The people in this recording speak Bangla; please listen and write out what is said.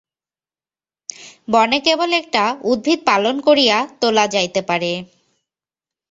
বনে কেবল একটা উদ্ভিদ পালন করিয়া তোলা যাইতে পারে।